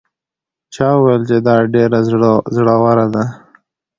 چا وویل چې دا ډېره زړه وره ده؟